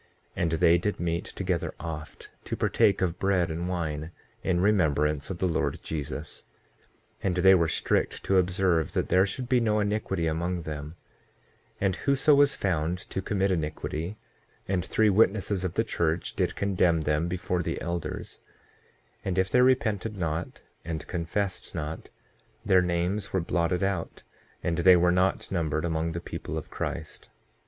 6:6 And they did meet together oft to partake of bread and wine, in remembrance of the Lord Jesus. 6:7 And they were strict to observe that there should be no iniquity among them; and whoso was found to commit iniquity, and three witnesses of the church did condemn them before the elders, and if they repented not, and confessed not, their names were blotted out, and they were not numbered among the people of Christ.